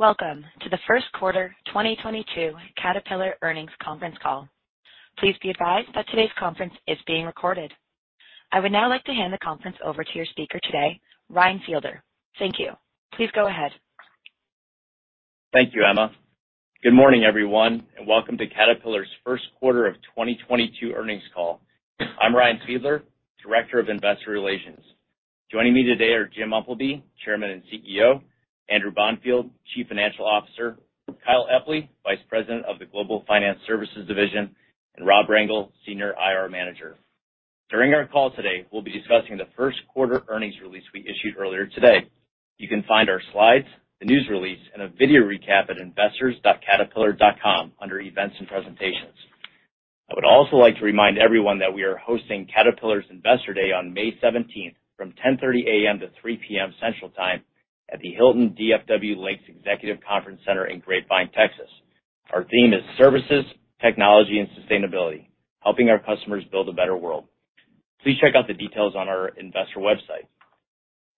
Welcome to the Q1 2022 Caterpillar Earnings Conference Call. Please be advised that today's conference is being recorded. I would now like to hand the conference over to your speaker today, Ryan Fiedler. Thank you. Please go ahead. Thank you, Emma. Good morning, everyone, and welcome to Caterpillar's Q1 of 2022 earnings call. I'm Ryan Fiedler, director of investor relations. Joining me today are Jim Umpleby, chairman and CEO, Andrew Bonfield, chief financial officer, Kyle Epley, vice president of the Global Finance Services Division, and Rob Rengel, senior IR manager. During our call today, we'll be discussing the Q1 earnings release we issued earlier today. You can find our slides, the news release, and a video recap at investors.caterpillar.com under Events and Presentations. I would also like to remind everyone that we are hosting Caterpillar's Investor Day on May 17 from 10:30 A.M. to 3:00 P.M. Central Time at the Hilton DFW Lakes Executive Conference Center in Grapevine, Texas. Our theme is Services, Technology, and Sustainability: Helping Our Customers Build a Better World. Please check out the details on our investor website.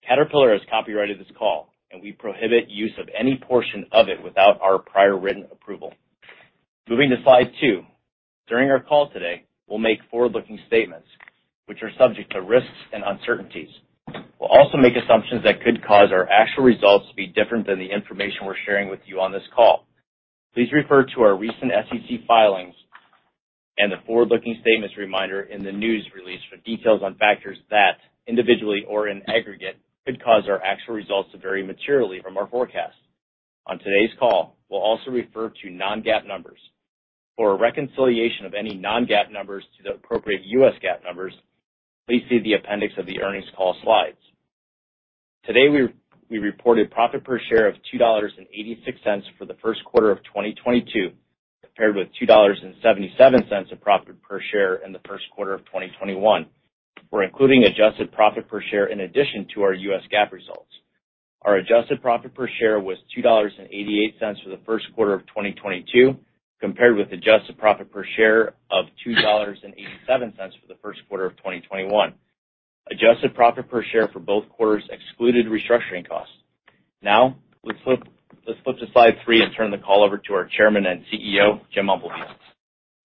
Caterpillar has copyrighted this call, and we prohibit use of any portion of it without our prior written approval. Moving to slide 2. During our call today, we'll make forward-looking statements which are subject to risks and uncertainties. We'll also make assumptions that could cause our actual results to be different than the information we're sharing with you on this call. Please refer to our recent SEC filings and the forward-looking statements reminder in the news release for details on factors that, individually or in aggregate, could cause our actual results to vary materially from our forecasts. On today's call, we'll also refer to non-GAAP numbers. For a reconciliation of any non-GAAP numbers to the appropriate US GAAP numbers, please see the appendix of the earnings call slides. Today, we reported profit per share of $2.86 for the Q1 of 2022, compared with $2.77 of profit per share in the Q1 of 2021. We're including adjusted profit per share in addition to our US GAAP results. Our adjusted profit per share was $2.88 for the Q1 of 2022, compared with adjusted profit per share of $2.87 for the Q1 of 2021. Adjusted profit per share for both quarters excluded restructuring costs. Now, let's flip to slide three and turn the call over to our Chairman and CEO, Jim Umpleby.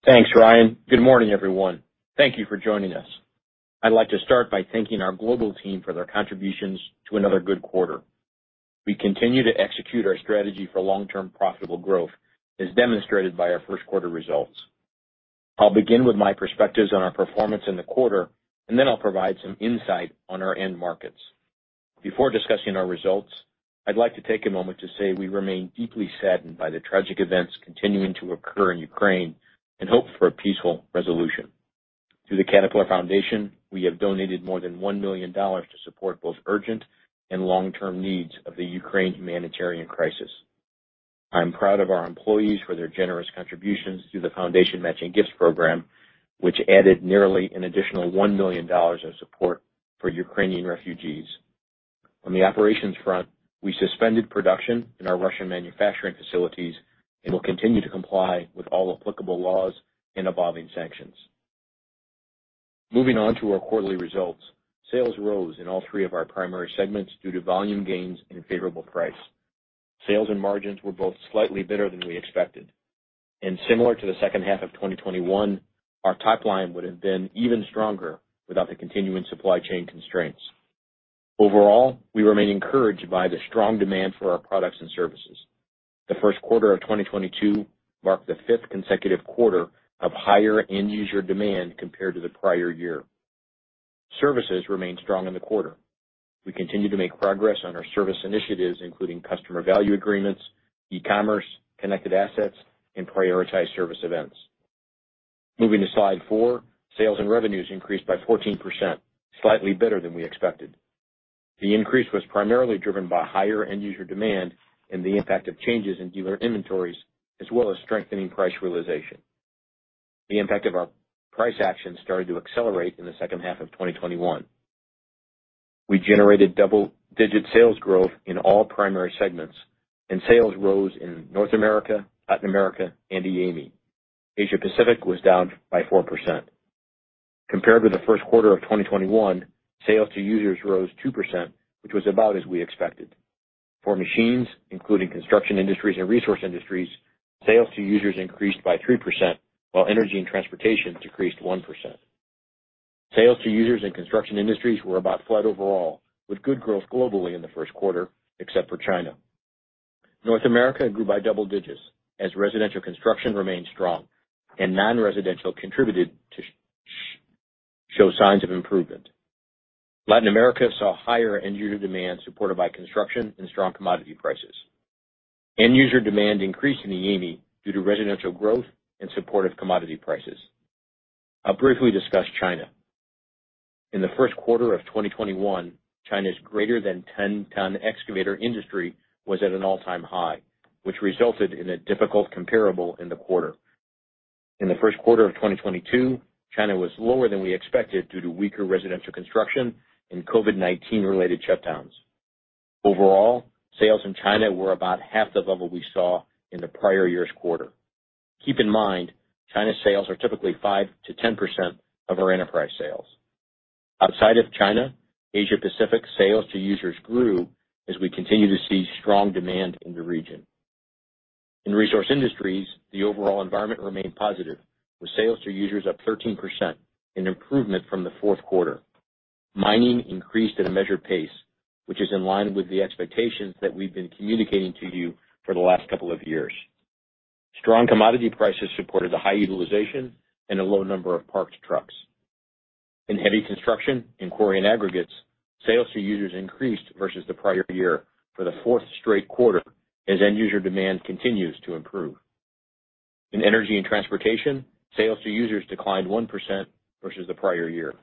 Thanks, Ryan. Good morning, everyone. Thank you for joining us. I'd like to start by thanking our global team for their contributions to another good quarter. We continue to execute our strategy for long-term profitable growth, as demonstrated by ourQ1 results. I'll begin with my perspectives on our performance in the quarter, and then I'll provide some insight on our end markets. Before discussing our results, I'd like to take a moment to say we remain deeply saddened by the tragic events continuing to occur in Ukraine and hope for a peaceful resolution. Through the Caterpillar Foundation, we have donated more than $1 million to support both urgent and long-term needs of the Ukraine humanitarian crisis. I am proud of our employees for their generous contributions through the foundation matching gifts program, which added nearly an additional $1 million of support for Ukrainian refugees. On the operations front, we suspended production in our Russian manufacturing facilities and will continue to comply with all applicable laws and evolving sanctions. Moving on to our quarterly results, sales rose in all three of our primary segments due to volume gains and favorable price. Sales and margins were both slightly better than we expected. Similar to the second half of 2021, our top line would have been even stronger without the continuing supply chain constraints. Overall, we remain encouraged by the strong demand for our products and services. The Q1 of 2022 marked the fifth consecutive quarter of higher end user demand compared to the prior year. Services remained strong in the quarter. We continue to make progress on our service initiatives, including Customer Value Agreements, e-commerce, connected assets, and Prioritized Service Events. Moving to slide four. Sales and revenues increased by 14%, slightly better than we expected. The increase was primarily driven by higher end user demand and the impact of changes in dealer inventories, as well as strengthening price realization. The impact of our price action started to accelerate in the second half of 2021. We generated double-digit sales growth in all primary segments, and sales rose in North America, Latin America, and EAME. Asia Pacific was down by 4%. Compared to the Q1 of 2021, sales to users rose 2%, which was about as we expected. For machines, including Construction Industries and Resource Industries, sales to users increased by 3%, while Energy & Transportation decreased 1%. Sales to users in Construction Industries were about flat overall, with good growth globally in the Q1, except for China. North America grew by double digits as residential construction remained strong and non-residential contributed to show signs of improvement. Latin America saw higher end user demand, supported by construction and strong commodity prices. End user demand increased in the EAME due to residential growth and supportive commodity prices. I'll briefly discuss China. In the Q1 of 2021, China's greater than 10-ton excavator industry was at an all-time high, which resulted in a difficult comparable in the quarter. In the Q1 of 2022, China was lower than we expected due to weaker residential construction and COVID-19 related shutdowns. Overall, sales in China were about half the level we saw in the prior year's quarter. Keep in mind, China sales are typically 5%-10% of our enterprise sales. Outside of China, Asia Pacific sales to users grew as we continue to see strong demand in the region. In Resource Industries, the overall environment remained positive, with sales to users up 13%, an improvement from the Q4. Mining increased at a measured pace, which is in line with the expectations that we've been communicating to you for the last couple of years. Strong commodity prices supported the high utilization and a low number of parked trucks. In heavy construction, quarry and aggregates, sales to users increased versus the prior year for the fourth straight quarter as end user demand continues to improve. In Energy & Transportation, sales to users declined 1% versus the prior year.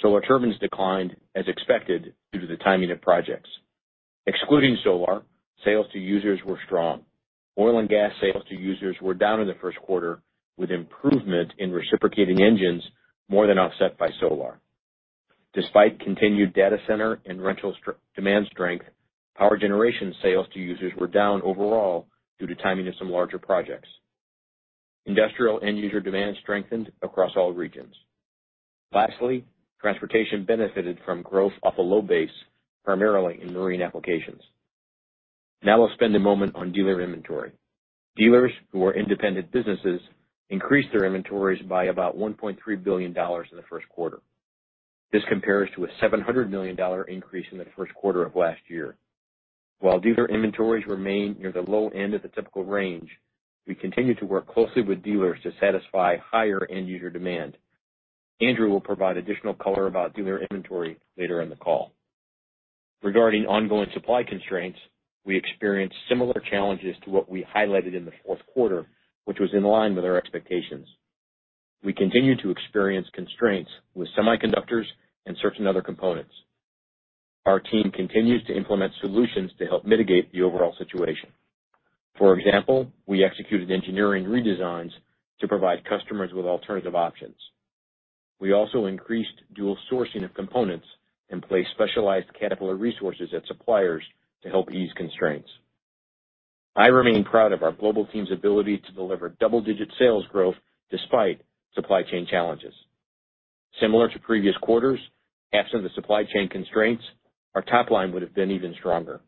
Solar Turbines declined as expected due to the timing of projects. Excluding Solar, sales to users were strong. Oil and gas sales to users were down in the Q1, with improvement in reciprocating engines more than offset by Solar. Despite continued data center and rental strength, demand strength, power generation sales to users were down overall due to timing of some larger projects. Industrial end user demand strengthened across all regions. Lastly, transportation benefited from growth off a low base, primarily in marine applications. Now we'll spend a moment on dealer inventory. Dealers who are independent businesses increased their inventories by about $1.3 billion in the Q1. This compares to a $700 million increase in the Q1 of last year. While dealer inventories remain near the low end of the typical range, we continue to work closely with dealers to satisfy higher end user demand. Andrew will provide additional color about dealer inventory later in the call. Regarding ongoing supply constraints, we experienced similar challenges to what we highlighted in the Q4, which was in line with our expectations. We continue to experience constraints with semiconductors and certain other components. Our team continues to implement solutions to help mitigate the overall situation. For example, we executed engineering redesigns to provide customers with alternative options. We also increased dual sourcing of components and placed specialized Caterpillar resources at suppliers to help ease constraints. I remain proud of our global team's ability to deliver double-digit sales growth despite supply chain challenges. Similar to previous quarters, absent the supply chain constraints, our top line would have been even stronger.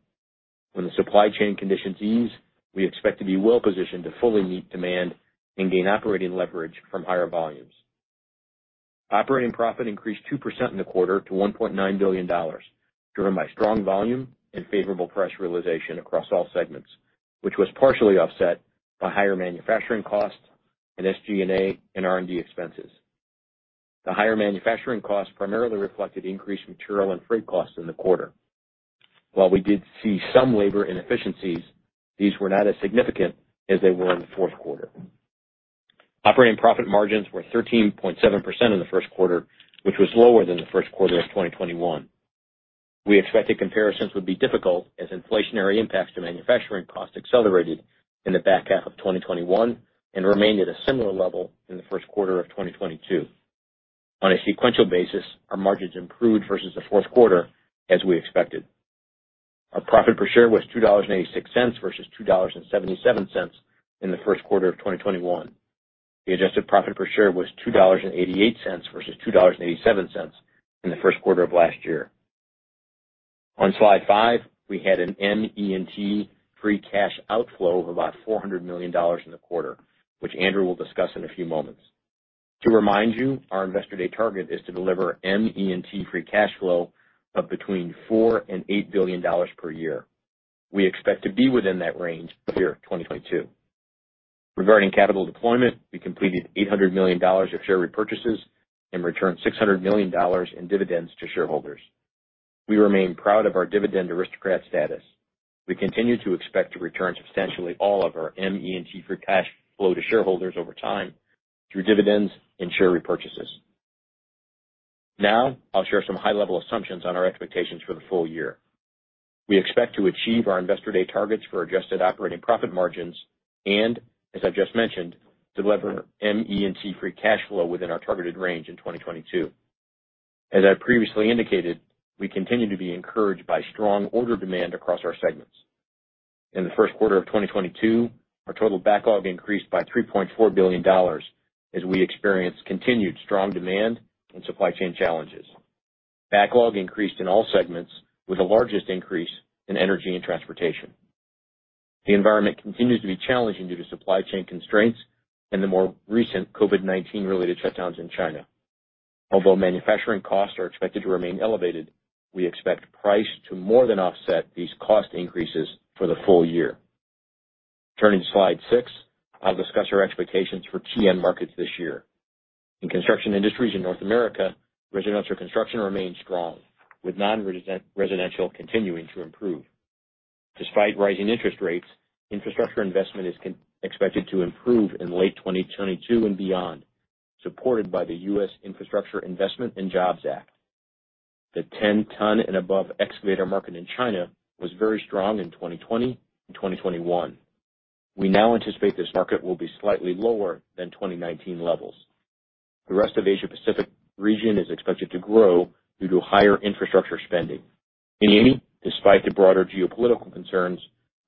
When the supply chain conditions ease, we expect to be well positioned to fully meet demand and gain operating leverage from higher volumes. Operating profit increased 2% in the quarter to $1.9 billion, driven by strong volume and favorable price realization across all segments, which was partially offset by higher manufacturing costs and SG&A and R&D expenses. The higher manufacturing costs primarily reflected increased material and freight costs in the quarter. While we did see some labor inefficiencies, these were not as significant as they were in the Q4. Operating profit margins were 13.7% in the Q1, which was lower than the Q1 of 2021. We expected comparisons would be difficult as inflationary impacts to manufacturing costs accelerated in the back half of 2021 and remained at a similar level in the Q1 of 2022. On a sequential basis, our margins improved versus the Q4 as we expected. Our profit per share was $2.86 versus $2.77 in the Q1 of 2021. The adjusted profit per share was $2.88 versus $2.87 in the Q1 of last year. On slide five, we had an ME&T free cash outflow of about $400 million in the quarter, which Andrew will discuss in a few moments. To remind you, our Investor Day target is to deliver ME&T free cash flow of between $4 billion and $8 billion per year. We expect to be within that range through 2022. Regarding capital deployment, we completed $800 million of share repurchases and returned $600 million in dividends to shareholders. We remain proud of our Dividend Aristocrat status. We continue to expect to return substantially all of our ME&T free cash flow to shareholders over time through dividends and share repurchases. Now, I'll share some high-level assumptions on our expectations for the full year. We expect to achieve our Investor Day targets for adjusted operating profit margins and, as I just mentioned, deliver ME&T free cash flow within our targeted range in 2022. As I previously indicated, we continue to be encouraged by strong order demand across our segments. In the Q1 of 2022, our total backlog increased by $3.4 billion as we experienced continued strong demand and supply chain challenges. Backlog increased in all segments, with the largest increase in Energy & Transportation. The environment continues to be challenging due to supply chain constraints and the more recent COVID-19 related shutdowns in China. Although manufacturing costs are expected to remain elevated, we expect price to more than offset these cost increases for the full year. Turning to slide 6, I'll discuss our expectations for key end markets this year. In construction industries in North America, residential construction remains strong, with non-residential continuing to improve. Despite rising interest rates, infrastructure investment is expected to improve in late 2022 and beyond, supported by the US Infrastructure Investment and Jobs Act. The 10-ton and above excavator market in China was very strong in 2020 and 2021. We now anticipate this market will be slightly lower than 2019 levels. The rest of Asia Pacific region is expected to grow due to higher infrastructure spending. In EMEA, despite the broader geopolitical concerns,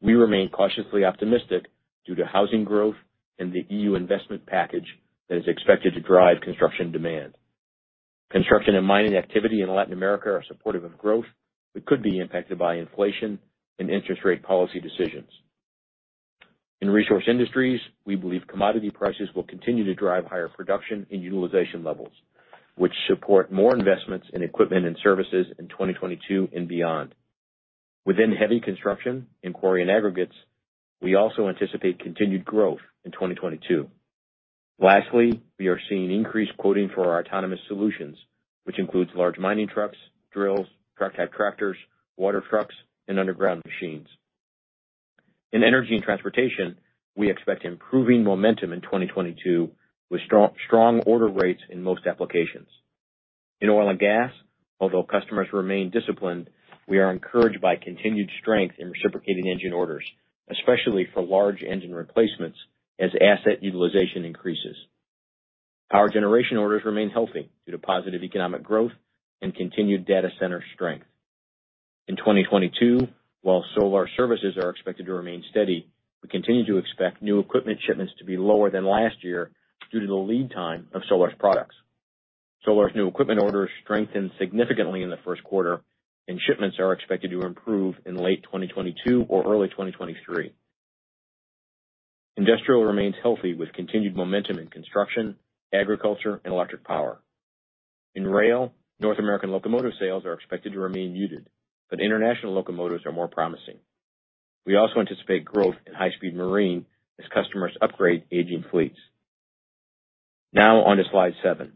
we remain cautiously optimistic due to housing growth and the EU investment package that is expected to drive construction demand. Construction and mining activity in Latin America are supportive of growth, but could be impacted by inflation and interest rate policy decisions. In Resource Industries, we believe commodity prices will continue to drive higher production and utilization levels, which support more investments in equipment and services in 2022 and beyond. Within heavy construction, quarry and aggregates, we also anticipate continued growth in 2022. Lastly, we are seeing increased quoting for our autonomous solutions, which includes large mining trucks, drills, truck type tractors, water trucks, and underground machines. In Energy & Transportation, we expect improving momentum in 2022 with strong order rates in most applications. In oil and gas, although customers remain disciplined, we are encouraged by continued strength in reciprocating engine orders, especially for large engine replacements as asset utilization increases. Power generation orders remain healthy due to positive economic growth and continued data center strength. In 2022, while Solar services are expected to remain steady, we continue to expect new equipment shipments to be lower than last year due to the lead time of Solar's products. Solar's new equipment orders strengthened significantly in the Q1, and shipments are expected to improve in late 2022 or early 2023. Industrial remains healthy with continued momentum in construction, agriculture and electric power. In rail, North American locomotive sales are expected to remain muted, but international locomotives are more promising. We also anticipate growth in high-speed marine as customers upgrade aging fleets. Now on to slide seven.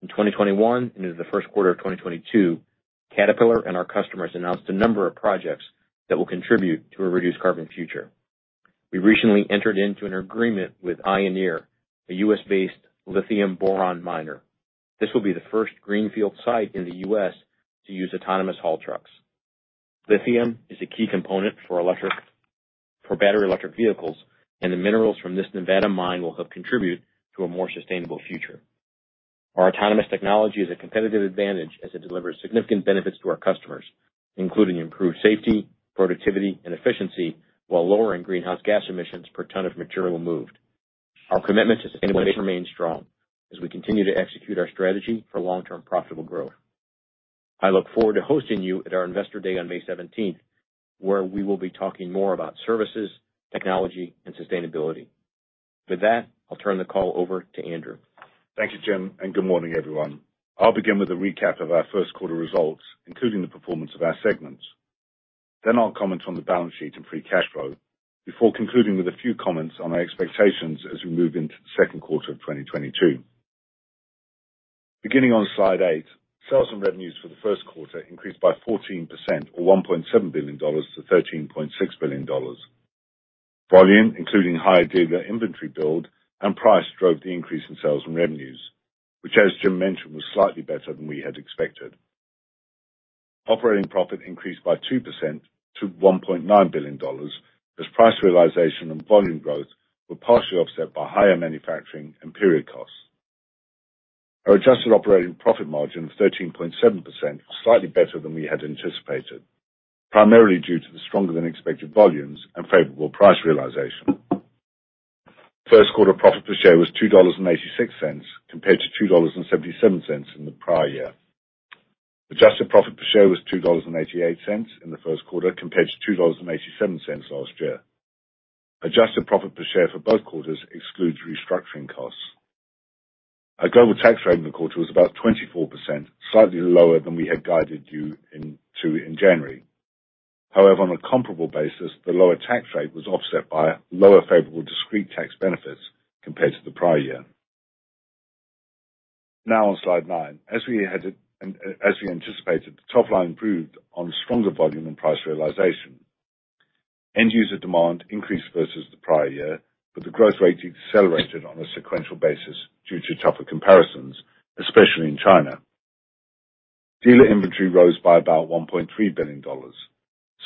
In 2021 and into the Q1 of 2022, Caterpillar and our customers announced a number of projects that will contribute to a reduced carbon future. We recently entered into an agreement with ioneer, a U.S.-based lithium-boron miner. This will be the first greenfield site in the U.S. to use autonomous haul trucks. Lithium is a key component for battery electric vehicles, and the minerals from this Nevada mine will help contribute to a more sustainable future. Our autonomous technology is a competitive advantage as it delivers significant benefits to our customers, including improved safety, productivity, and efficiency, while lowering greenhouse gas emissions per ton of material moved. Our commitment to sustainability remains strong as we continue to execute our strategy for long-term profitable growth. I look forward to hosting you at our Investor Day on May 17, where we will be talking more about services, technology, and sustainability. With that, I'll turn the call over to Andrew Bonfield. Thank you, Jim, and good morning, everyone. I'll begin with a recap of our Q1 results, including the performance of our segments. I'll comment on the balance sheet and free cash flow before concluding with a few comments on our expectations as we move into the Q2 of 2022. Beginning on slide 8, sales and revenues for the Q1 increased by 14% or $1.7 billion to $13.6 billion. Volume, including higher dealer inventory build and price, drove the increase in sales and revenues, which, as Jim mentioned, was slightly better than we had expected. Operating profit increased by 2% to $1.9 billion, as price realization and volume growth were partially offset by higher manufacturing and period costs. Our adjusted operating profit margin of 13.7% was slightly better than we had anticipated, primarily due to the stronger than expected volumes and favorable price realization. Q1 profit per share was $2.86 compared to $2.77 in the prior year. Adjusted profit per share was $2.88 in the Q1, compared to $2.87 last year. Adjusted profit per share for both quarters excludes restructuring costs. Our global tax rate in the quarter was about 24%, slightly lower than we had guided you to in January. However, on a comparable basis, the lower tax rate was offset by lower favorable discrete tax benefits compared to the prior year. Now on slide nine. As we anticipated, the top line improved on stronger volume and price realization. End-user demand increased versus the prior year, but the growth rate accelerated on a sequential basis due to tougher comparisons, especially in China. Dealer inventory rose by about $1.3 billion.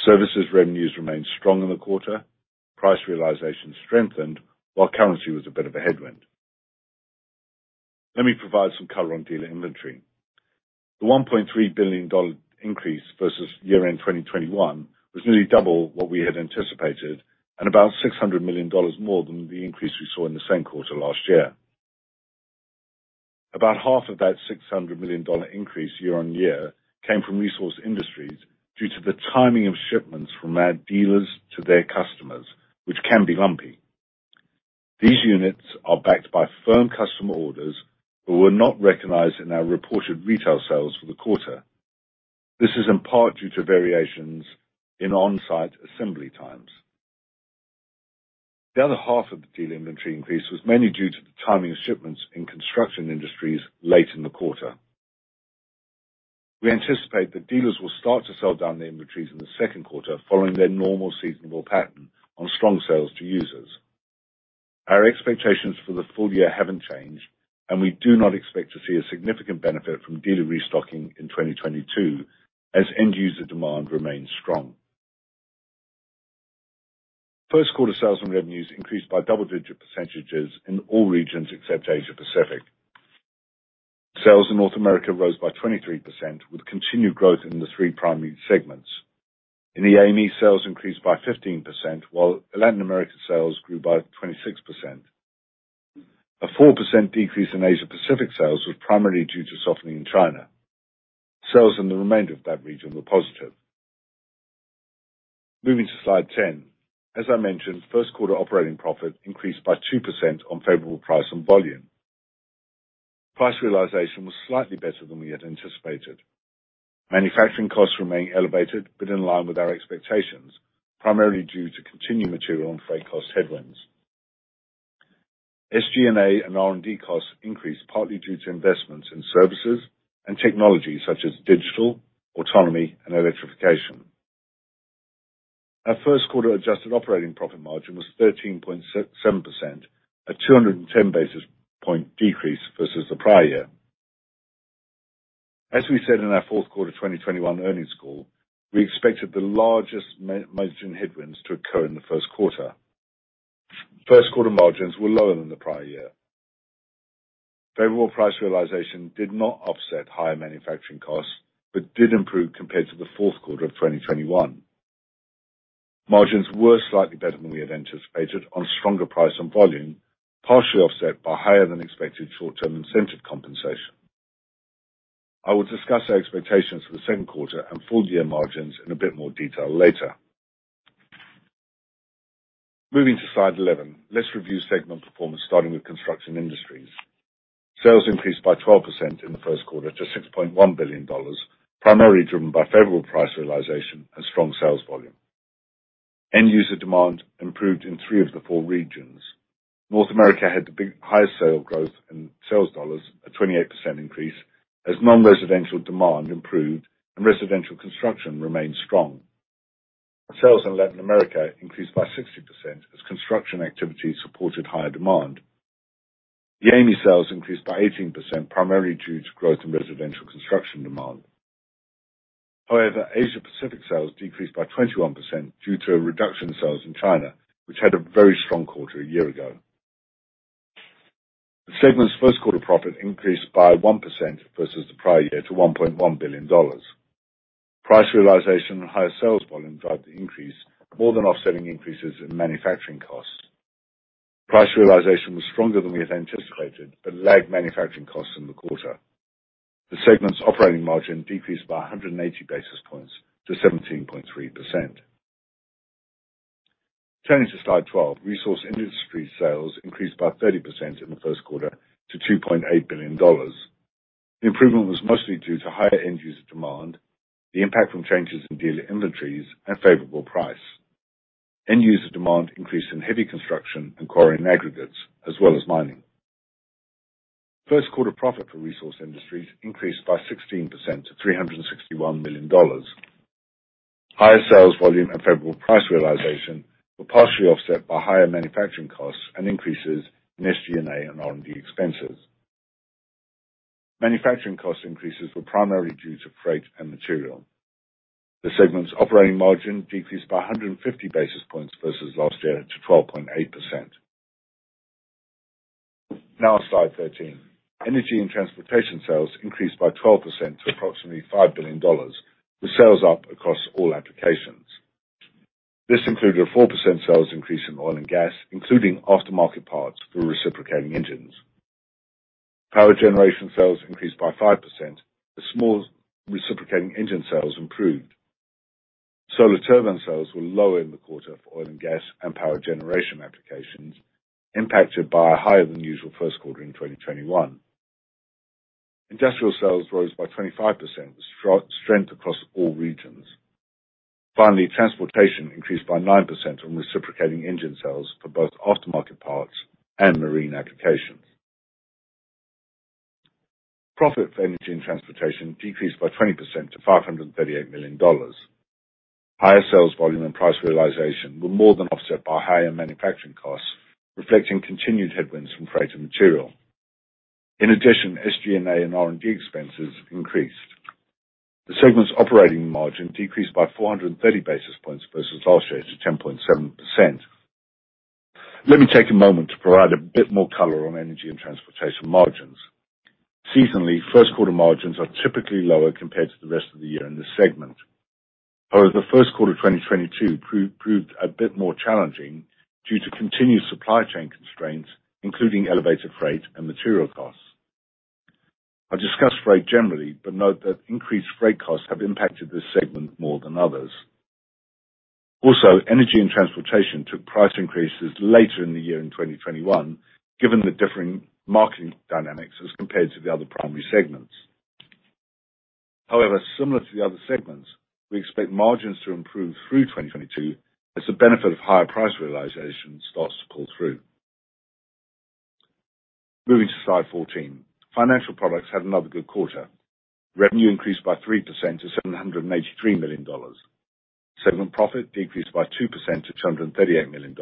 Services revenues remained strong in the quarter. Price realization strengthened while currency was a bit of a headwind. Let me provide some color on dealer inventory. The $1.3 billion increase versus year-end 2021 was nearly double what we had anticipated and about $600 million more than the increase we saw in the same quarter last year. About half of that $600 million increase year-on-year came from Resource Industries due to the timing of shipments from our dealers to their customers, which can be lumpy. These units are backed by firm customer orders but were not recognized in our reported retail sales for the quarter. This is in part due to variations in on-site assembly times. The other half of the dealer inventory increase was mainly due to the timing of shipments in Construction Industries late in the quarter. We anticipate that dealers will start to sell down their inventories in the Q2 following their normal seasonal pattern on strong sales to users. Our expectations for the full year haven't changed, and we do not expect to see a significant benefit from dealer restocking in 2022 as end user demand remains strong. Q1 sales and revenues increased by double-digit percentages in all regions except Asia Pacific. Sales in North America rose by 23% with continued growth in the three primary segments. In the AME, sales increased by 15%, while Latin America sales grew by 26%. A 4% decrease in Asia Pacific sales was primarily due to softening in China. Sales in the remainder of that region were positive. Moving to slide 10. As I mentioned, Q1 operating profit increased by 2% on favorable price and volume. Price realization was slightly better than we had anticipated. Manufacturing costs remain elevated, but in line with our expectations, primarily due to continued material and freight cost headwinds. SG&A and R&D costs increased partly due to investments in services and technologies such as digital, autonomy, and electrification. Our Q1 adjusted operating profit margin was 13.7%, a 210 basis point decrease versus the prior year. As we said in our Q4 2021 earnings call, we expected the largest margin headwinds to occur in the Q1. Q1 margins were lower than the prior year. Favorable price realization did not offset higher manufacturing costs, but did improve compared to the Q4 of 2021. Margins were slightly better than we had anticipated on stronger price and volume, partially offset by higher than expected short-term incentive compensation. I will discuss our expectations for the Q2 and full year margins in a bit more detail later. Moving to slide 11, let's review segment performance starting with Construction Industries. Sales increased by 12% in the Q1 to $6.1 billion, primarily driven by favorable price realization and strong sales volume. End user demand improved in three of the four regions. North America had the highest sales growth in sales dollars, a 28% increase, as non-residential demand improved and residential construction remained strong. Sales in Latin America increased by 60% as construction activity supported higher demand. The AME sales increased by 18% primarily due to growth in residential construction demand. However, Asia Pacific sales decreased by 21% due to a reduction in sales in China, which had a very strong quarter a year ago. The segment's Q1 profit increased by 1% versus the prior year to $1.1 billion. Price realization and higher sales volume drive the increase, more than offsetting increases in manufacturing costs. Price realization was stronger than we had anticipated, but lagged manufacturing costs in the quarter. The segment's operating margin decreased by 180 basis points to 17.3%. Turning to slide 12, Resource Industries sales increased by 30% in the Q1 to $2.8 billion. The improvement was mostly due to higher end user demand, the impact from changes in dealer inventories and favorable price. End-user demand increased in heavy construction and quarry and aggregates as well as mining. Q1 profit for Resource Industries increased by 16% to $361 million. Higher sales volume and favorable price realization were partially offset by higher manufacturing costs and increases in SG&A and R&D expenses. Manufacturing cost increases were primarily due to freight and material. The segment's operating margin decreased by 150 basis points versus last year to 12.8%. Now slide 13. Energy & Transportation sales increased by 12% to approximately $5 billion, with sales up across all applications. This included a 4% sales increase in oil and gas, including aftermarket parts for reciprocating engines. Power generation sales increased by 5% as small reciprocating engine sales improved. Solar Turbines sales were lower in the quarter for oil and gas and power generation applications, impacted by a higher than usual Q1 in 2021. Industrial sales rose by 25% with strength across all regions. Finally, transportation increased by 9% on reciprocating engine sales for both aftermarket parts and marine applications. Profit for Energy & Transportation decreased by 20% to $538 million. Higher sales volume and price realization were more than offset by higher manufacturing costs, reflecting continued headwinds from freight and material. In addition, SG&A and R&D expenses increased. The segment's operating margin decreased by 430 basis points versus last year to 10.7%. Let me take a moment to provide a bit more color on Energy & Transportation margins. Seasonally, Q1 margins are typically lower compared to the rest of the year in this segment. However, the Q1 2022 proved a bit more challenging due to continued supply chain constraints, including elevated freight and material costs. I discussed freight generally, but note that increased freight costs have impacted this segment more than others. Also, Energy & Transportation took price increases later in the year in 2021, given the differing marketing dynamics as compared to the other primary segments. However, similar to the other segments, we expect margins to improve through 2022 as the benefit of higher price realization starts to pull through. Moving to slide 14. Financial Products had another good quarter. Revenue increased by 3% to $783 million. Segment profit decreased by 2% to $238 million.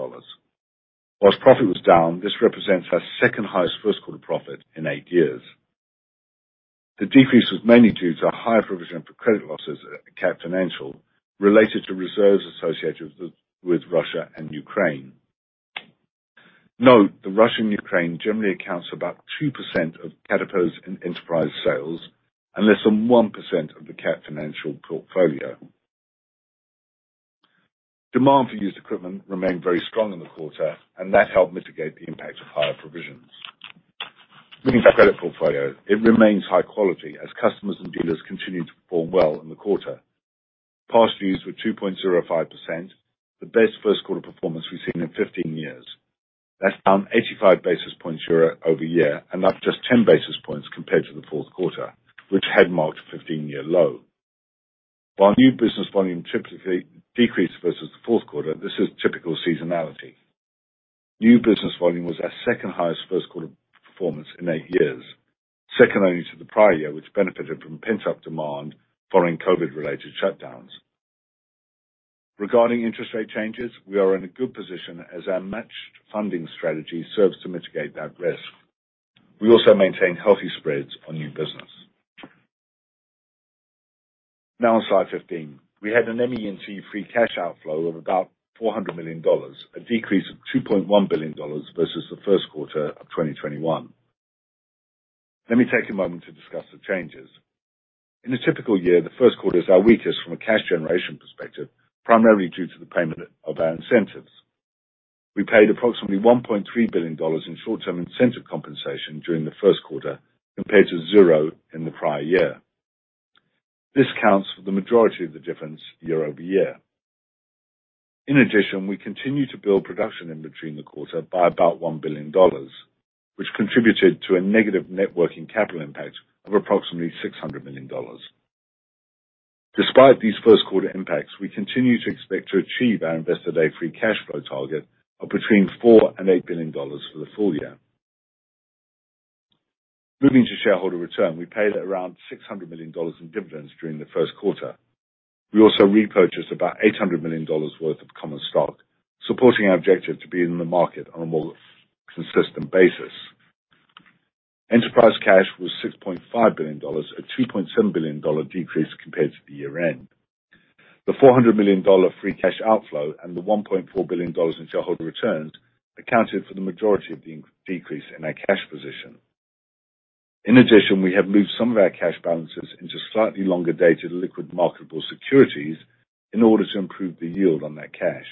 While profit was down, this represents our second highestQ1 profit in 8 years. The decrease was mainly due to higher provision for credit losses at Cat Financial related to reserves associated with Russia and Ukraine. Note that Russia and Ukraine generally accounts for about 2% of Cat POS and Enterprise sales and less than 1% of the Cat Financial portfolio. Demand for used equipment remained very strong in the quarter, and that helped mitigate the impact of higher provisions. Looking at credit portfolio, it remains high quality as customers and dealers continued to perform well in the quarter. Past dues were 2.05%, the best Q1 performance we've seen in 15 years. That's down 85 basis points year-over-year, and up just 10 basis points compared to the Q4, which had marked a 15-year low. While new business volume typically decreased versus the Q4, this is typical seasonality. New business volume was our second-highest Q1 performance in eight years, second only to the prior year, which benefited from pent-up demand following COVID-related shutdowns. Regarding interest rate changes, we are in a good position as our matched funding strategy serves to mitigate that risk. We also maintain healthy spreads on new business. Now on slide 15. We had an ME&T free cash outflow of about $400 million, a decrease of $2.1 billion versus the Q1 of 2021. Let me take a moment to discuss the changes. In a typical year, the Q1 is our weakest from a cash generation perspective, primarily due to the payment of our incentives. We paid approximately $1.3 billion in short-term incentive compensation during the Q1 compared to 0 in the prior year. This counts for the majority of the difference year-over-year. In addition, we continue to build production inventory in the quarter by about $1 billion, which contributed to a negative net working capital impact of approximately $600 million. Despite these first-quarter impacts, we continue to expect to achieve our Investor Day free cash flow target of between $4 billion and $8 billion for the full year. Moving to shareholder return, we paid around $600 million in dividends during the Q1. We also repurchased about $800 million worth of common stock, supporting our objective to be in the market on a more consistent basis. Enterprise cash was $6.5 billion, a $2.7 billion decrease compared to the year-end. The $400 million free cash outflow and the $1.4 billion in shareholder returns accounted for the majority of the decrease in our cash position. In addition, we have moved some of our cash balances into slightly longer-dated liquid marketable securities in order to improve the yield on that cash.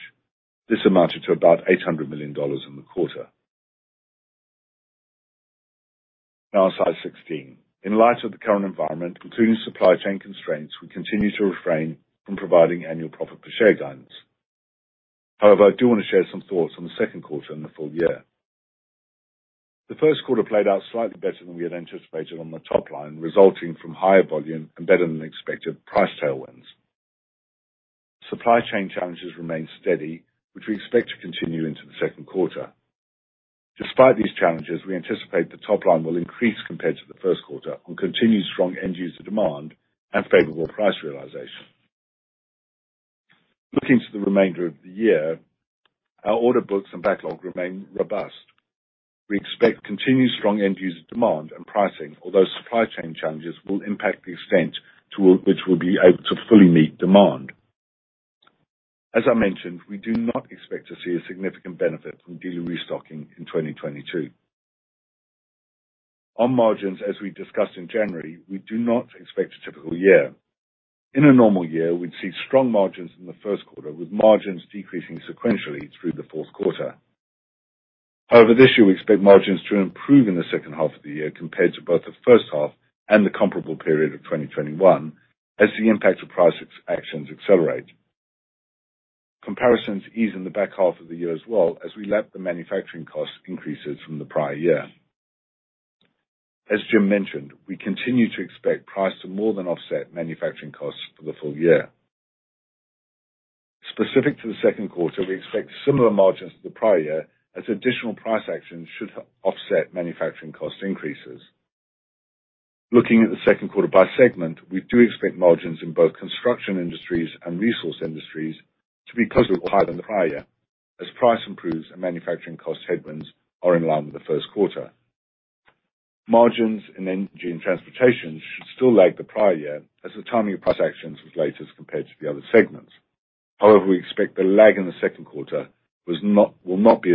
This amounted to about $800 million in the quarter. Now slide 16. In light of the current environment, including supply chain constraints, we continue to refrain from providing annual profit per share guidance. However, I do want to share some thoughts on the Q2 and the full year. The Q1 played out slightly better than we had anticipated on the top line, resulting from higher volume and better-than-expected price tailwinds. Supply chain challenges remained steady, which we expect to continue into the Q2. Despite these challenges, we anticipate the top line will increase compared to the Q1 on continued strong end user demand and favorable price realization. Looking to the remainder of the year, our order books and backlog remain robust. We expect continued strong end user demand and pricing, although supply chain challenges will impact the extent to which we'll be able to fully meet demand. As I mentioned, we do not expect to see a significant benefit from dealer restocking in 2022. On margins, as we discussed in January, we do not expect a typical year. In a normal year, we'd see strong margins in the Q1, with margins decreasing sequentially through the Q4. However, this year, we expect margins to improve in the second half of the year compared to both the first half and the comparable period of 2021 as the impact of price actions accelerate. Comparisons ease in the back half of the year as well as we lap the manufacturing cost increases from the prior year. As Jim mentioned, we continue to expect price to more than offset manufacturing costs for the full year. Specific to the Q2, we expect similar margins to the prior year as additional price actions should offset manufacturing cost increases. Looking at the Q2 by segment, we do expect margins in both Construction Industries and Resource Industries to be closer or higher than the prior year as price improves and manufacturing cost headwinds are in line with the Q1. Margins in Energy & Transportation should still lag the prior year as the timing of price actions was later compared to the other segments. However, we expect the lag in the Q2 will not be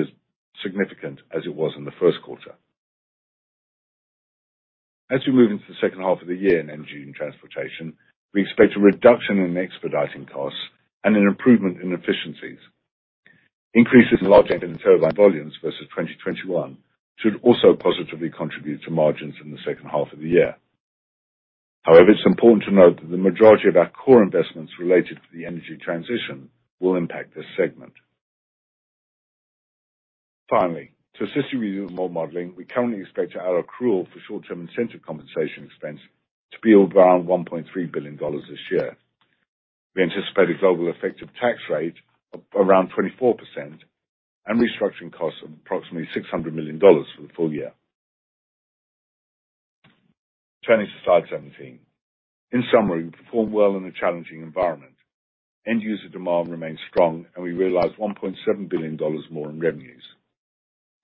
as significant as it was in the Q1. As we move into the second half of the year in Energy & Transportation, we expect a reduction in expediting costs and an improvement in efficiencies. Increases in large turbine volumes versus 2021 should also positively contribute to margins in the second half of the year. However, it's important to note that the majority of our core investments related to the energy transition will impact this segment. Finally, to assist you with your modeling, we currently expect our accrual for short-term incentive compensation expense to be over around $1.3 billion this year. We anticipate a global effective tax rate of around 24% and restructuring costs of approximately $600 million for the full year. Turning to slide 17. In summary, we performed well in a challenging environment. End user demand remains strong and we realized $1.7 billion more in revenues.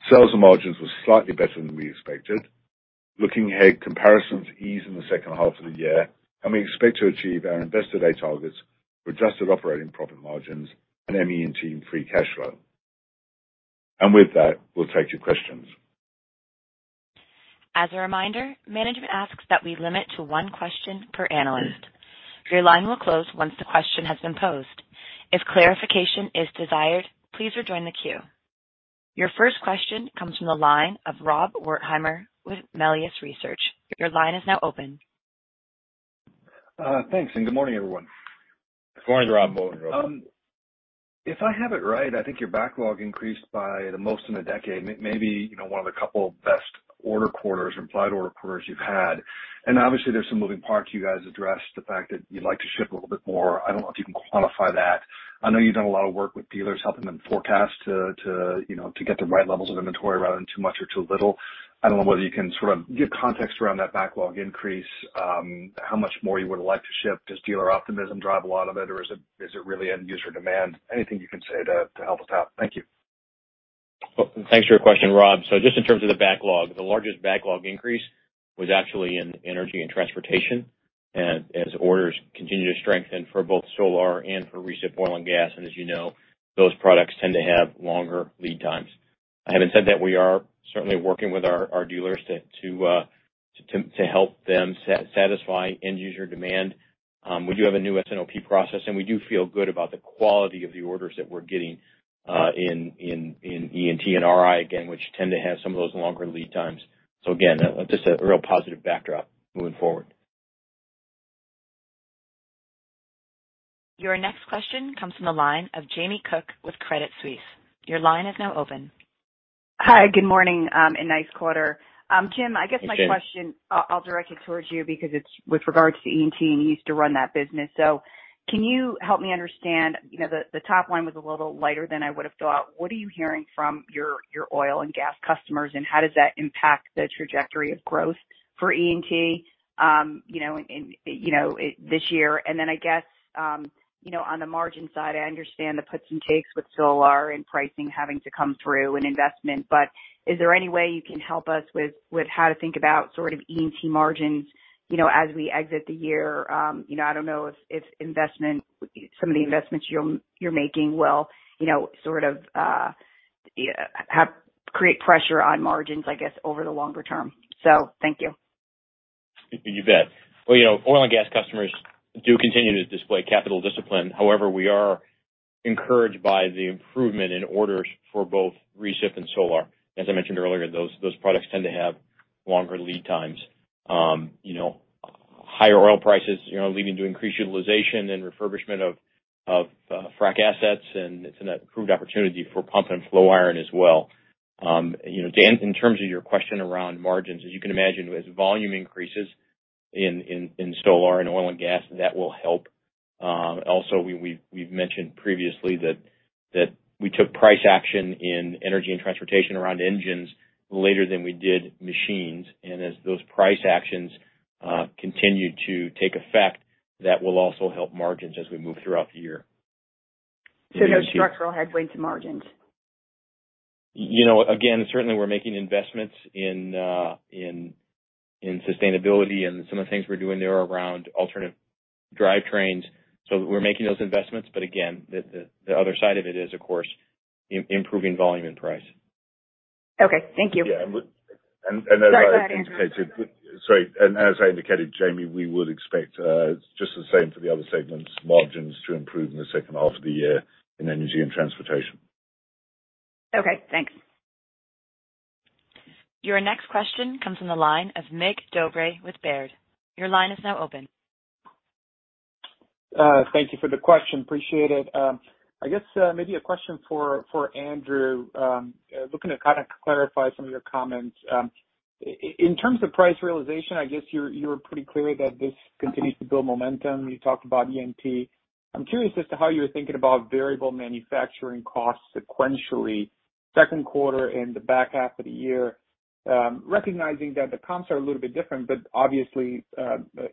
Sales and margins were slightly better than we expected. Looking ahead, comparisons ease in the second half of the year, and we expect to achieve our Investor Day targets for adjusted operating profit margins and ME&T free cash flow. With that, we'll take your questions. As a reminder, management asks that we limit to one question per analyst. Your line will close once the question has been posed. If clarification is desired, please rejoin the queue. Your first question comes from the line of Rob Wertheimer with Melius Research. Your line is now open. Thanks, and good morning, everyone. Good morning, Rob. Welcome. If I have it right, I think your backlog increased by the most in a decade. Maybe, you know, one of the couple best order quarters, implied order quarters you've had. Obviously, there's some moving parts. You guys addressed the fact that you'd like to ship a little bit more. I don't know if you can quantify that. I know you've done a lot of work with dealers, helping them forecast to, you know, to get the right levels of inventory rather than too much or too little. I don't know whether you can sort of give context around that backlog increase, how much more you would like to ship. Does dealer optimism drive a lot of it, or is it really end user demand? Anything you can say to help us out. Thank you. Well, thanks for your question, Rob. Just in terms of the backlog, the largest backlog increase was actually in Energy & Transportation. As orders continue to strengthen for both solar and for recip oil and gas. As you know, those products tend to have longer lead times. Having said that, we are certainly working with our dealers to help them satisfy end user demand. We do have a new S&OP process, and we do feel good about the quality of the orders that we're getting in E&T and RI, again, which tend to have some of those longer lead times. Again, just a real positive backdrop moving forward. Your next question comes from the line of Jamie Cook with Credit Suisse. Your line is now open. Hi, good morning, and nice quarter. Jim, I guess my question. Hey, Jamie. I'll direct it towards you because it's with regards to E&T, and you used to run that business. Can you help me understand, you know, the top line was a little lighter than I would have thought. What are you hearing from your oil and gas customers, and how does that impact the trajectory of growth for E&T, you know, in this year? I guess, you know, on the margin side, I understand the puts and takes with Solar and pricing having to come through in investment. Is there any way you can help us with how to think about sort of E&T margins, you know, as we exit the year? You know, I don't know if investment, some of the investments you're making will, you know, sort of have. Create pressure on margins, I guess, over the longer term. Thank you. You bet. Well, you know, oil and gas customers do continue to display capital discipline. However, we are encouraged by the improvement in orders for both recip and solar. As I mentioned earlier, those products tend to have longer lead times. You know, higher oil prices, you know, leading to increased utilization and refurbishment of frack assets, and it's an improved opportunity for pump and flow iron as well. You know, in terms of your question around margins, as you can imagine, as volume increases in solar and oil and gas, that will help. Also, we've mentioned previously that we took price action in Energy & Transportation around engines later than we did machines. As those price actions continue to take effect, that will also help margins as we move throughout the year. No structural headwinds in margins? You know, again, certainly we're making investments in in sustainability and some of the things we're doing there around alternative drivetrains. We're making those investments. Again, the other side of it is, of course, improving volume and price. Okay, thank you. Yeah, and Sorry. Go ahead, Andrew. As I indicated, Jamie, we would expect just the same for the other segments, margins to improve in the second half of the year in Energy & Transportation. Okay, thanks. Your next question comes from the line of Mircea Dobre with Baird. Your line is now open. Thank you for the question. Appreciate it. I guess, maybe a question for Andrew, looking to kinda clarify some of your comments. In terms of price realization, I guess you were pretty clear that this continues to build momentum. You talked about E&T. I'm curious as to how you were thinking about variable manufacturing costs sequentially Q2 and the back half of the year. Recognizing that the comps are a little bit different, but obviously,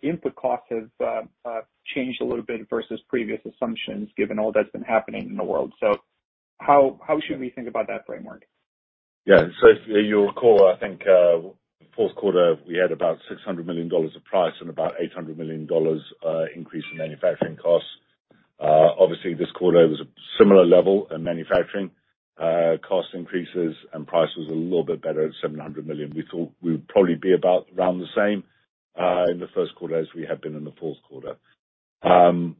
input costs have changed a little bit versus previous assumptions, given all that's been happening in the world. How should we think about that framework? Yeah. If you recall, I think, Q4, we had about $600 million of price and about $800 million increase in manufacturing costs. Obviously, this quarter was a similar level in manufacturing cost increases and price was a little bit better at $700 million. We thought we would probably be about around the same in the Q1as we have been in the Q4.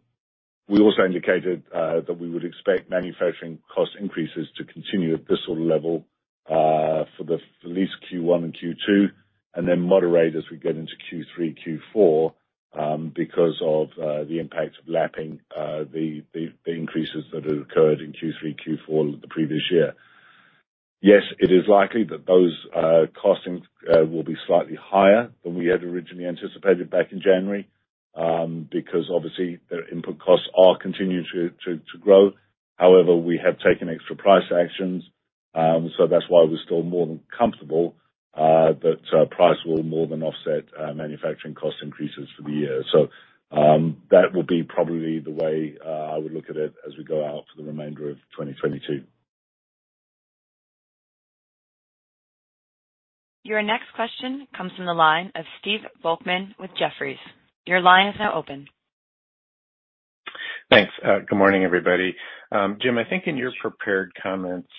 We also indicated that we would expect manufacturing cost increases to continue at this sort of level at least Q1 and Q2, and then moderate as we get into Q3, Q4 because of the impact of lapping the increases that have occurred in Q3, Q4 of the previous year. Yes, it is likely that those costings will be slightly higher than we had originally anticipated back in January, because obviously the input costs are continuing to grow. However, we have taken extra price actions, so that's why we're still more than comfortable. Price will more than offset manufacturing cost increases for the year. That will be probably the way I would look at it as we go out for the remainder of 2022. Your next question comes from the line of Stephen Volkmann with Jefferies. Your line is now open. Thanks. Good morning, everybody. Jim, I think in your prepared comments,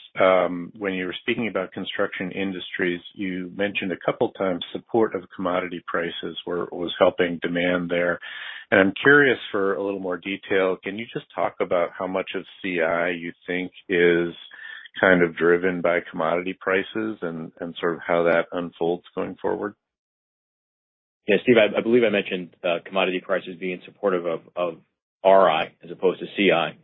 when you were speaking about Construction Industries, you mentioned a couple of times support of commodity prices was helping demand there. I'm curious for a little more detail, can you just talk about how much of CI you think is kind of driven by commodity prices and sort of how that unfolds going forward? Yeah, Steve, I believe I mentioned commodity prices being supportive of RI as opposed to CI.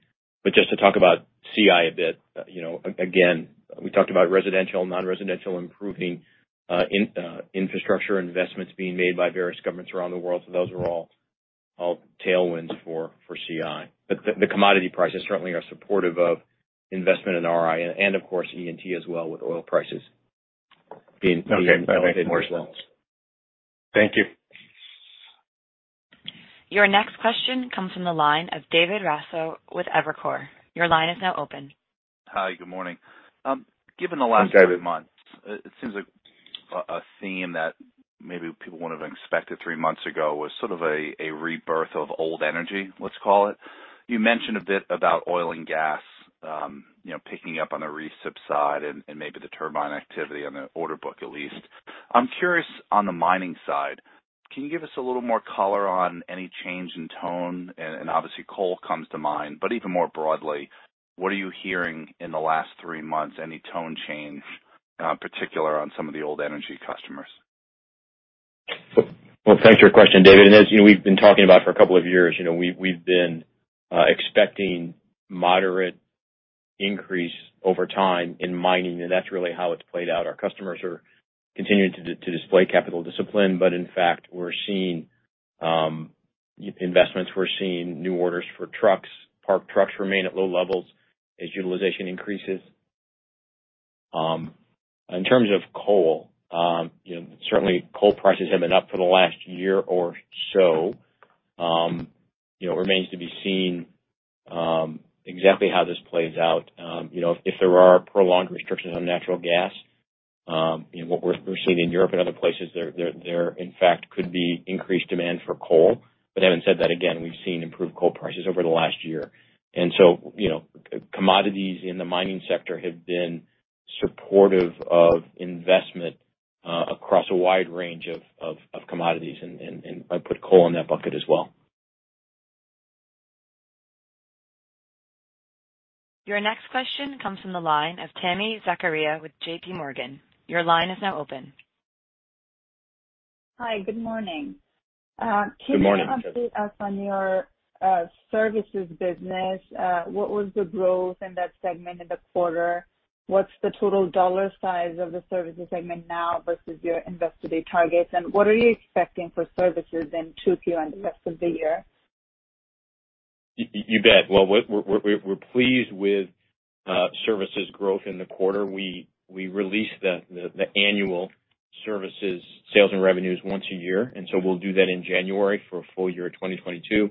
Just to talk about CI a bit, you know, again, we talked about residential, non-residential improving, infrastructure investments being made by various governments around the world. Those are all tailwinds for CI. The commodity prices certainly are supportive of investment in RI and of course E&T as well with oil prices being. Thank you. Your next question comes from the line of David Raso with Evercore ISI. Your line is now open. Hi, good morning. Given the last three months- Hi, David. It seems like a theme that maybe people wouldn't have expected three months ago was sort of a rebirth of old energy, let's call it. You mentioned a bit about oil and gas, you know, picking up on the recip side and maybe the turbine activity on the order book, at least. I'm curious on the mining side. Can you give us a little more color on any change in tone? And obviously, coal comes to mind, but even more broadly, what are you hearing in the last three months, any tone change, particular on some of the old energy customers? Well, thanks for your question, David. As you know, we've been talking about for a couple of years, you know, we've been expecting moderate increase over time in mining, and that's really how it's played out. Our customers are continuing to display capital discipline. In fact, we're seeing investments, we're seeing new orders for trucks. Parked trucks remain at low levels as utilization increases. In terms of coal, you know, certainly coal prices have been up for the last year or so. You know, it remains to be seen exactly how this plays out. You know, if there are prolonged restrictions on natural gas, you know, what we're seeing in Europe and other places there in fact could be increased demand for coal. Having said that, again, we've seen improved coal prices over the last year. You know, commodities in the mining sector have been supportive of investment across a wide range of commodities, and I'd put coal in that bucket as well. Your next question comes from the line of Tami Zakaria with JPMorgan. Your line is now open. Hi, good morning. Good morning. Can you update us on your services business? What was the growth in that segment in the quarter? What's the total dollar size of the services segment now versus your Investor Day targets? What are you expecting for services in 2Q and the rest of the year? You bet. Well, we're pleased with services growth in the quarter. We released the annual services sales and revenues once a year. We'll do that in January for full year 2022.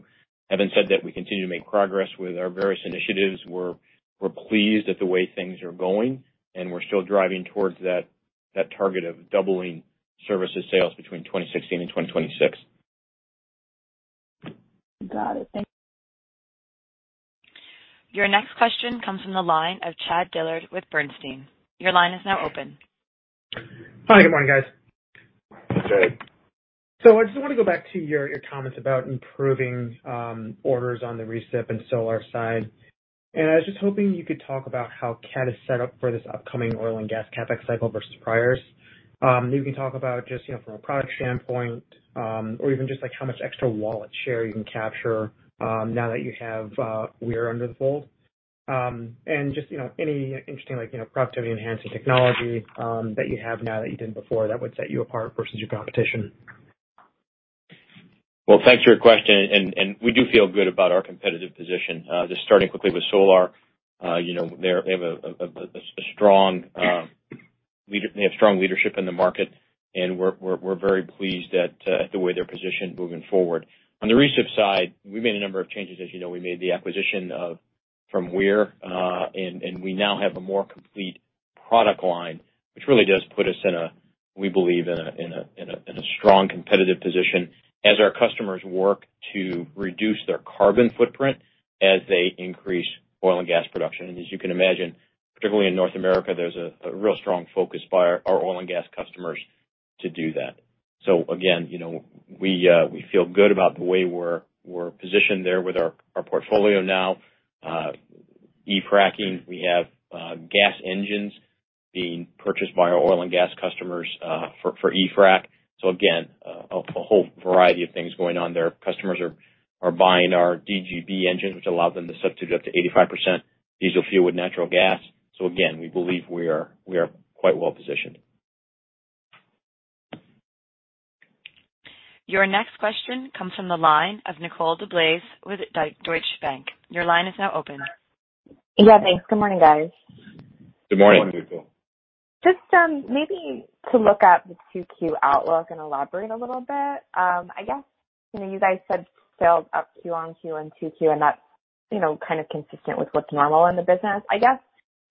Having said that, we continue to make progress with our various initiatives. We're pleased at the way things are going, and we're still driving towards that target of doubling services sales between 2016 and 2026. Got it. Thank you. Your next question comes from the line of Chad Dillard with Bernstein. Your line is now open. Hi. Good morning, guys. Good day. I just wanna go back to your comments about improving orders on the recip and solar side. I was just hoping you could talk about how Cat is set up for this upcoming oil and gas CapEx cycle versus priors. You can talk about just, you know, from a product standpoint, or even just like how much extra wallet share you can capture, now that you have Weir under the fold. Just, you know, any interesting, like, you know, productivity enhancing technology that you have now that you didn't before that would set you apart versus your competition. Well, thanks for your question. We do feel good about our competitive position. Just starting quickly with Solar. You know, they have strong leadership in the market, and we're very pleased at the way they're positioned moving forward. On the recip side, we made a number of changes. As you know, we made the acquisition from Weir, and we now have a more complete product line, which really does put us in a, we believe, strong competitive position as our customers work to reduce their carbon footprint as they increase oil and gas production. As you can imagine, particularly in North America, there's a real strong focus by our oil and gas customers to do that. Again, you know, we feel good about the way we're positioned there with our portfolio now. e-frac, we have gas engines being purchased by our oil and gas customers for e-frac. Again, a whole variety of things going on there. Customers are buying our DGB engines, which allow them to substitute up to 85% diesel fuel with natural gas. Again, we believe we are quite well positioned. Your next question comes from the line of Nicole DeBlase with Deutsche Bank. Your line is now open. Yeah, thanks. Good morning, guys. Good morning, Nicole. Just, maybe to look at the 2Q outlook and elaborate a little bit, I guess, you know, you guys said sales up Q on Q and 2Q, and that's, you know, kind of consistent with what's normal in the business. I guess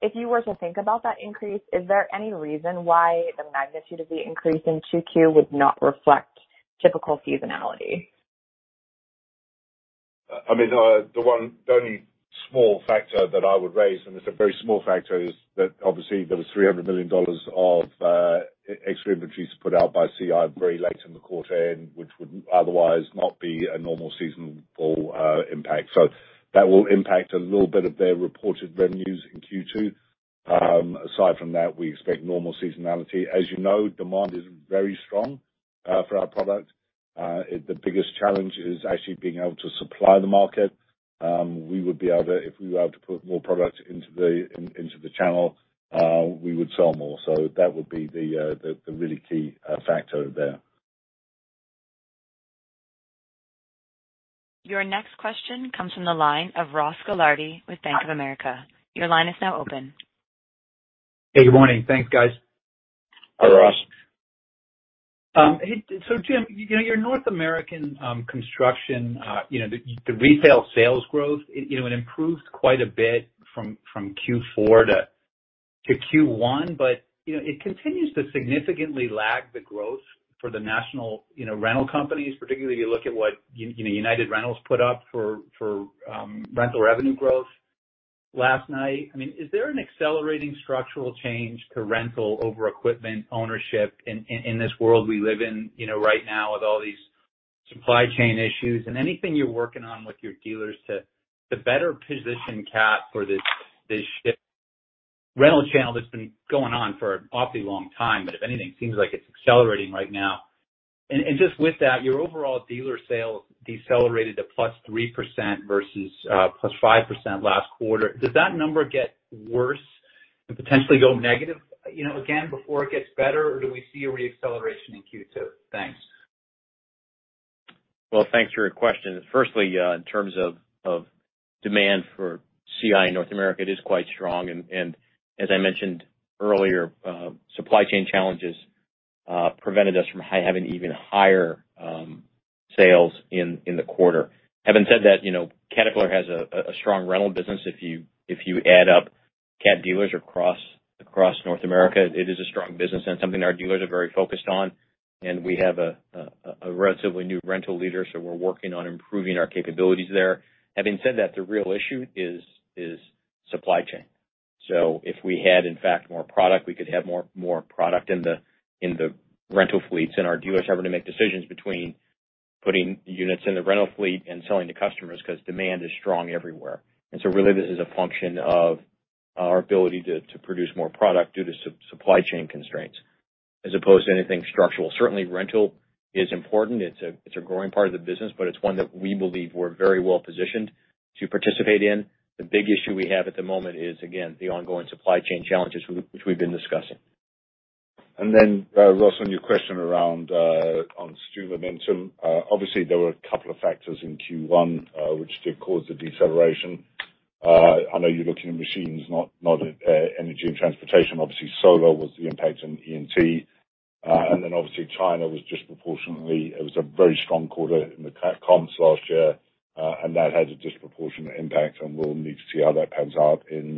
if you were to think about that increase, is there any reason why the magnitude of the increase in 2Q would not reflect typical seasonality? I mean, the only small factor that I would raise, and it's a very small factor, is that obviously there was $300 million of extra inventories put out by CI very late in the quarter end, which would otherwise not be a normal seasonal impact. That will impact a little bit of their reported revenues in Q2. Aside from that, we expect normal seasonality. As you know, demand is very strong for our product. The biggest challenge is actually being able to supply the market. We would be able to, if we were able to put more product into the channel, we would sell more. That would be the really key factor there. Your next question comes from the line of Ross Gilardi with Bank of America. Your line is now open. Hey, good morning. Thanks, guys. Hi, Ross. Hey, Jim, you know, your North American construction, you know, the retail sales growth, you know, it improved quite a bit from Q4 to Q1, but, you know, it continues to significantly lag the growth for the national, you know, rental companies, particularly you look at what United Rentals put up for rental revenue growth last night. I mean, is there an accelerating structural change to rental over equipment ownership in this world we live in, you know, right now with all these supply chain issues? Anything you're working on with your dealers to better position Cat for this rental channel that's been going on for an awfully long time. If anything, it seems like it's accelerating right now. Just with that, your overall dealer sales decelerated to +3% versus +5% last quarter. Does that number get worse and potentially go negative, you know, again, before it gets better, or do we see a re-acceleration in Q2? Thanks. Well, thanks for your question. Firstly, in terms of demand for CI North America, it is quite strong. As I mentioned earlier, supply chain challenges prevented us from having even higher sales in the quarter. Having said that, you know, Caterpillar has a strong rental business. If you add up Cat dealers across North America, it is a strong business and something our dealers are very focused on. We have a relatively new rental leader, so we're working on improving our capabilities there. Having said that, the real issue is supply chain. If we had, in fact, more product, we could have more product in the rental fleets and our dealers are having to make decisions between putting units in the rental fleet and selling to customers because demand is strong everywhere. Really this is a function of our ability to produce more product due to supply chain constraints as opposed to anything structural. Certainly, rental is important. It's a growing part of the business, but it's one that we believe we're very well-positioned to participate in. The big issue we have at the moment is, again, the ongoing supply chain challenges which we've been discussing. Ross, on your question around on STU momentum, obviously, there were a couple of factors in Q1 which did cause the deceleration. I know you're looking at machines, not at Energy & Transportation. Obviously, solar was the impact on E&T. Obviously, China was disproportionately. It was a very strong quarter in the comps last year, and that had a disproportionate impact, and we'll need to see how that pans out in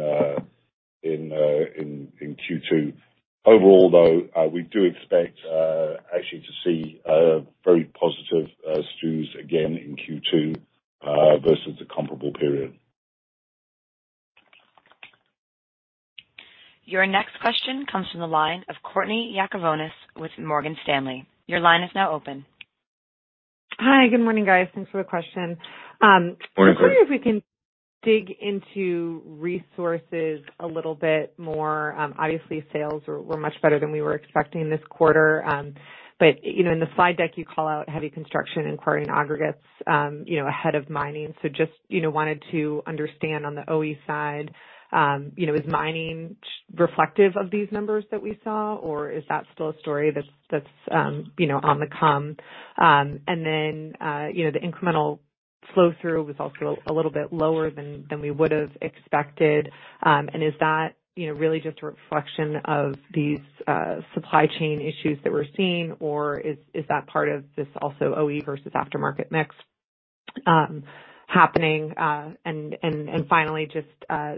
Q2. Overall, though, we do expect actually to see very positive STU's again in Q2 versus the comparable period. Your next question comes from the line of Courtenay Yakavonis with Morgan Stanley. Your line is now open. Hi, good morning, guys. Thanks for the question. Morning, Courtney. I was wondering if we can dig into resources a little bit more. Obviously, sales were much better than we were expecting this quarter. You know, in the slide deck, you call out heavy construction and quarry and aggregates, you know, ahead of mining. Just, you know, wanted to understand on the OE side, is mining reflective of these numbers that we saw, or is that still a story that's on the come? The incremental flow-through was also a little bit lower than we would have expected. Is that, you know, really just a reflection of these supply chain issues that we're seeing, or is that part of this also OE versus aftermarket mix happening? Finally, just,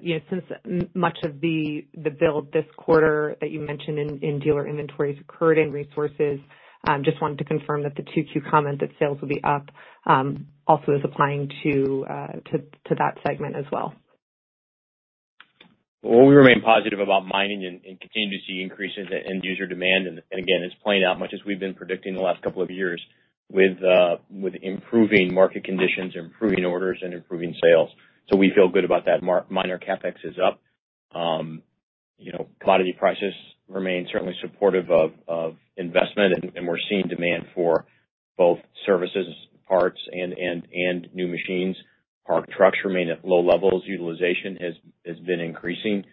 you know, since much of the build this quarter that you mentioned in dealer inventories occurred in resources, just wanted to confirm that the 2Q comment that sales will be up also is applying to that segment as well? Well, we remain positive about mining and continue to see increases in end user demand. Again, it's playing out much as we've been predicting the last couple of years with improving market conditions, improving orders and improving sales. We feel good about that. Miner CapEx is up. You know, commodity prices remain certainly supportive of investment and we're seeing demand for both services, parts and new machines. Parked trucks remain at low levels. Utilization has been increasing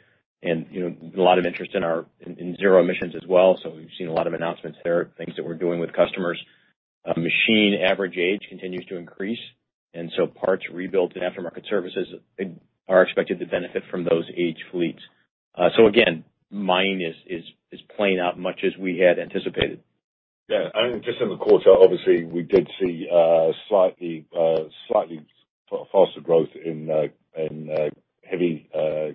and, you know, a lot of interest in our zero emissions as well. We've seen a lot of announcements there, things that we're doing with customers. Machine average age continues to increase, and so parts rebuilt and aftermarket services are expected to benefit from those aged fleets. Again, mining is playing out much as we had anticipated. Yeah. I think just in the quarter, obviously we did see slightly faster growth in heavy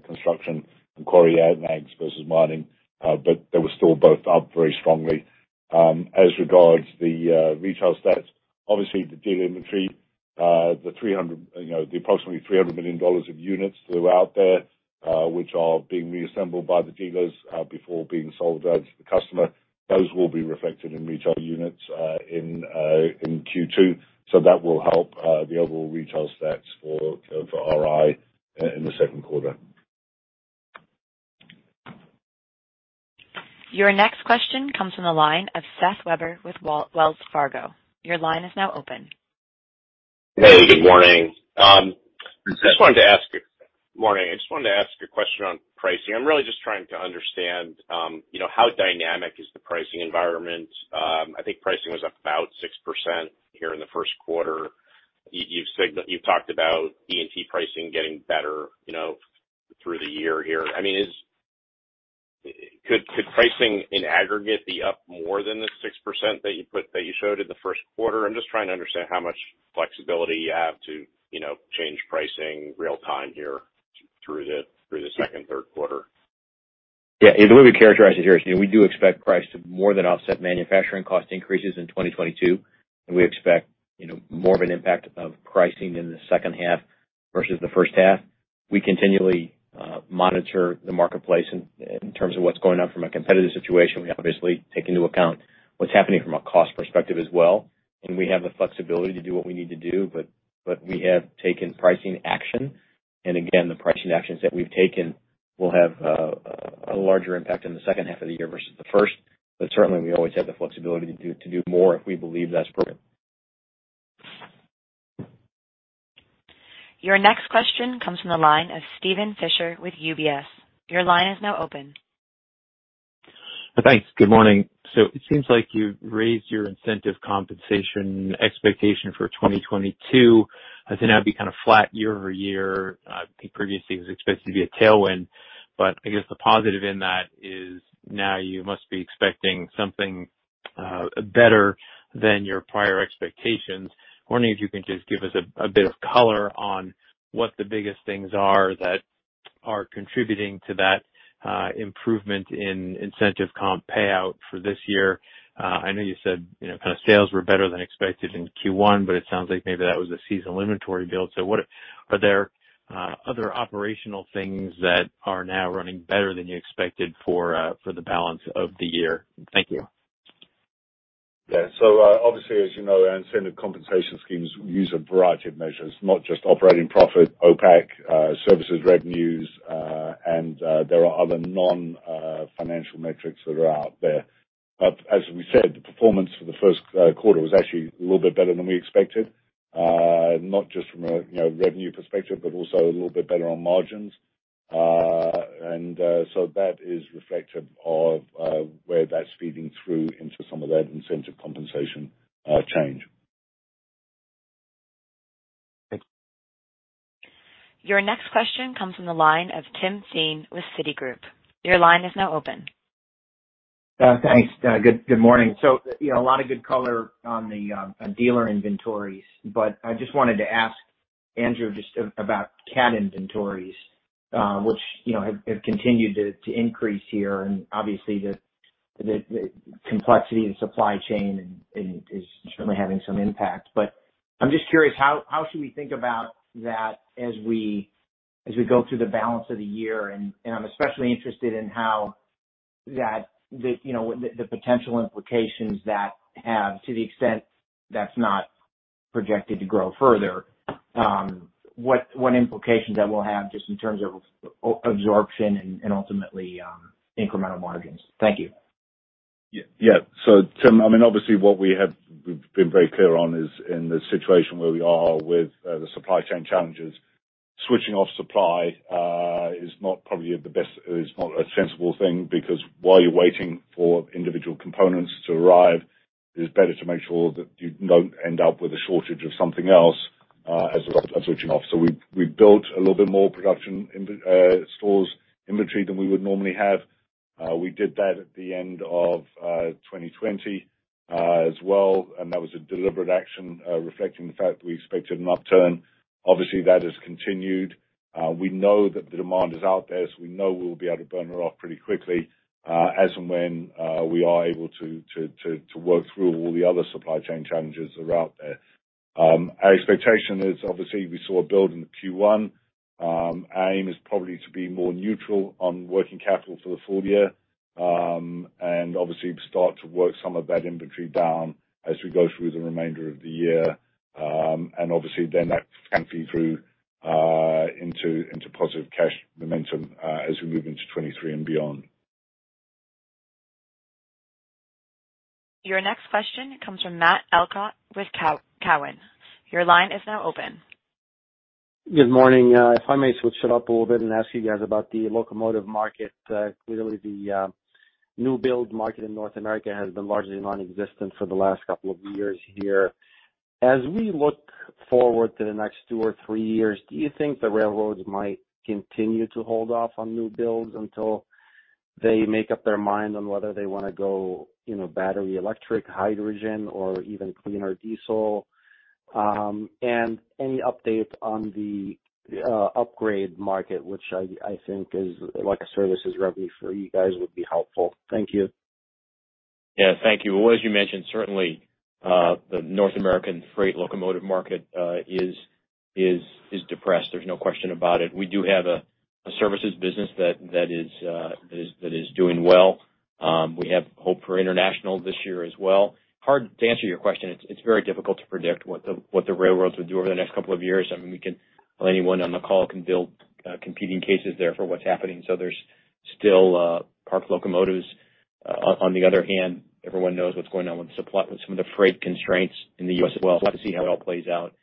construction and quarry and ags versus mining. They were still both up very strongly. As regards to the retail stats, obviously the dealer inventory, the approximately $300 million of units that are out there, which are being reassembled by the dealers, before being sold out to the customer. Those will be reflected in retail units in Q2. That will help the overall retail stats for RI in the Q2 Your next question comes from the line of Seth Weber with Wells Fargo. Your line is now open. Hey, good morning. I just wanted to ask a question on pricing. I'm really just trying to understand, you know, how dynamic is the pricing environment? I think pricing was up about 6% here in the Q1. You've talked about E&T pricing getting better, you know, through the year here. I mean, could pricing in aggregate be up more than the 6% that you showed in theQ1? I'm just trying to understand how much flexibility you have to, you know, change pricing real time here through the second, Q3. Yeah. The way we characterize it here is, you know, we do expect price to more than offset manufacturing cost increases in 2022. We expect, you know, more of an impact of pricing in the second half versus the first half. We continually monitor the marketplace in terms of what's going on from a competitive situation. We obviously take into account what's happening from a cost perspective as well. We have the flexibility to do what we need to do, but we have taken pricing action. Again, the pricing actions that we've taken will have a larger impact in the second half of the year versus the first. Certainly, we always have the flexibility to do more if we believe that's prudent. Your next question comes from the line of Steven Fisher with UBS. Your line is now open. Thanks. Good morning. It seems like you've raised your incentive compensation expectation for 2022 to now be kind of flat year-over-year. I think previously it was expected to be a tailwind, but I guess the positive in that is now you must be expecting something better than your prior expectations. Wondering if you can just give us a bit of color on what the biggest things are that are contributing to that improvement in incentive comp payout for this year. I know you said, you know, kind of sales were better than expected in Q1, but it sounds like maybe that was a seasonal inventory build. What are there other operational things that are now running better than you expected for the balance of the year? Thank you. Yeah. Obviously, as you know, our incentive compensation schemes use a variety of measures, not just operating profit, OPACC, services revenues, and there are other non-financial metrics that are out there. As we said, the performance for the Q1 was actually a little bit better than we expected. Not just from a, you know, revenue perspective, but also a little bit better on margins. That is reflective of where that's feeding through into some of that incentive compensation change. Thanks. Your next question comes from the line of Timothy Thein with Citigroup. Your line is now open. Thanks. Good morning. You know, a lot of good color on the dealer inventories, but I just wanted to ask Andrew just about Cat inventories, which, you know, have continued to increase here. Obviously, the complexity in supply chain and is certainly having some impact. I'm just curious, how should we think about that as we go through the balance of the year? I'm especially interested in how the potential implications that have to the extent that's not projected to grow further. What implications that will have just in terms of absorption and ultimately incremental margins. Thank you. Tim, I mean, obviously what we've been very clear on is in the situation where we are with the supply chain challenges. Switching off supply is not a sensible thing because while you're waiting for individual components to arrive, it's better to make sure that you don't end up with a shortage of something else as opposed to switching off. We've built a little bit more production in stores inventory than we would normally have. We did that at the end of 2020 as well, and that was a deliberate action reflecting the fact that we expected an upturn. Obviously, that has continued. We know that the demand is out there, so we know we'll be able to burn it off pretty quickly, as and when we are able to work through all the other supply chain challenges that are out there. Our expectation is obviously we saw a build in the Q1. Our aim is probably to be more neutral on working capital for the full year. Obviously start to work some of that inventory down as we go through the remainder of the year. Obviously then that can feed through into positive cash momentum as we move into 2023 and beyond. Your next question comes from Matt Elkott with Cowen. Your line is now open. Good morning. If I may switch it up a little bit and ask you guys about the locomotive market. Clearly the new build market in North America has been largely non-existent for the last couple of years here. As we look forward to the next two or three years, do you think the railroads might continue to hold off on new builds until they make up their mind on whether they wanna go, you know, battery, electric, hydrogen or even cleaner diesel? And any update on the upgrade market, which I think is like a services revenue for you guys would be helpful. Thank you. Yeah, thank you. Well, as you mentioned, certainly, the North American freight locomotive market is depressed. There's no question about it. We do have a services business that is doing well. We have hope for international this year as well. Hard to answer your question. It's very difficult to predict what the railroads will do over the next couple of years. I mean, well, anyone on the call can build competing cases there for what's happening. There's still parked locomotives. On the other hand, everyone knows what's going on with supply, with some of the freight constraints in the U.S. as well. We'll have to see how it all plays out.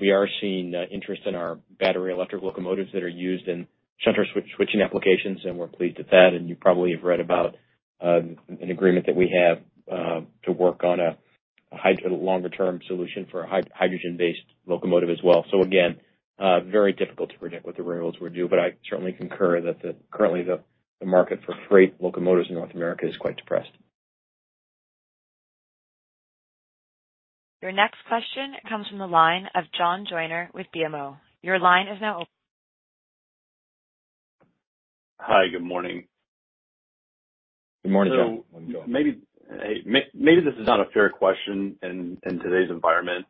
We are seeing interest in our battery electric locomotives that are used in certain switching applications, and we're pleased with that. You probably have read about an agreement that we have to work on a longer term solution for a hydrogen based locomotive as well. Again, very difficult to predict what the railroads will do, but I certainly concur that currently the market for freight locomotives in North America is quite depressed. Your next question comes from the line of John Joyner with BMO. Your line is now open. Hi. Good morning. Good morning, John. Good morning, John. Maybe this is not a fair question in today's environment.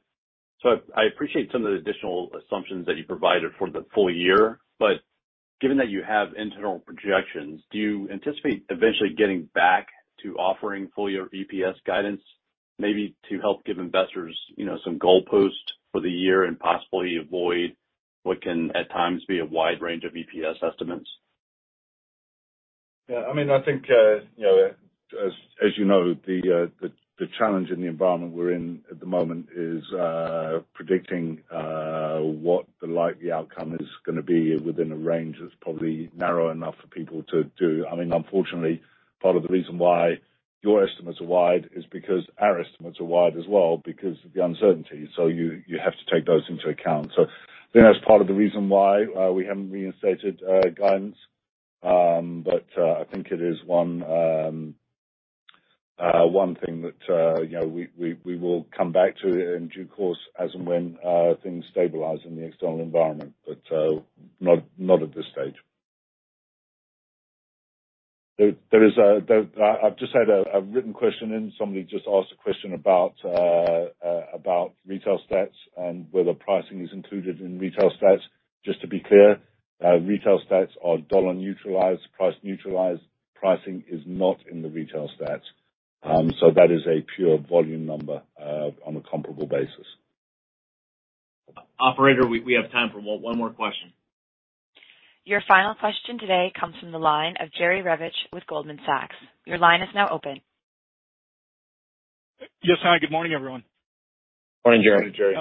I appreciate some of the additional assumptions that you provided for the full year. Given that you have internal projections, do you anticipate eventually getting back to offering full year EPS guidance, maybe to help give investors, you know, some goalposts for the year and possibly avoid what can at times be a wide range of EPS estimates? Yeah, I mean, I think you know, as you know, the challenge in the environment we're in at the moment is predicting what the likely outcome is gonna be within a range that's probably narrow enough for people to do. I mean, unfortunately, part of the reason why your estimates are wide is because our estimates are wide as well because of the uncertainty. You have to take those into account. I think that's part of the reason why we haven't reinstated guidance. I think it is one thing that you know, we will come back to in due course as and when things stabilize in the external environment. Not at this stage. I've just had a written question in. Somebody just asked a question about retail stats and whether pricing is included in retail stats. Just to be clear, retail stats are dollar neutralized, price neutralized. Pricing is not in the retail stats. That is a pure volume number on a comparable basis. Operator, we have time for one more question. Your final question today comes from the line of Jerry Revich with Goldman Sachs. Your line is now open. Yes. Hi, good morning, everyone. Morning, Jerry. Morning, Jerry.